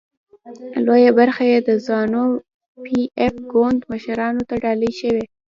لویه برخه یې د زانو پي ایف ګوند مشرانو ته ډالۍ شوې.